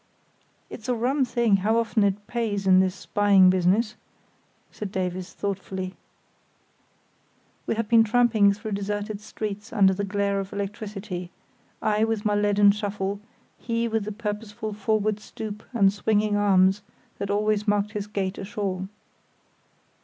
"It's a rum thing how often it pays in this spying business," said Davies thoughtfully. We had been tramping through deserted streets under the glare of electricity, I with my leaden shuffle, he with the purposeful forward stoop and swinging arms that always marked his gait ashore.